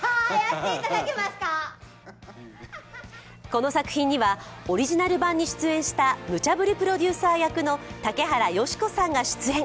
この作品には、オリジナル版に出演したむちゃぶりプロデューサー役の竹原芳子さんが出演。